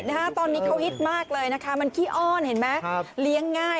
นะฮะตอนนี้เขาฮิตมากเลยนะคะมันขี้อ้อนเห็นไหมครับเลี้ยงง่าย